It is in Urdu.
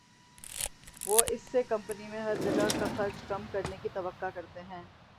وہ اس سے کمپنی میں ہر جگہ خرچ کم کرنے کی توقع کرتے ہیں